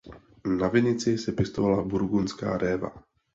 Na vinici se pěstovala burgundská réva.